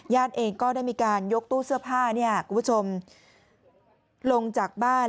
ญาติเองก็ได้มีการยกตู้เสื้อผ้าลงจากบ้าน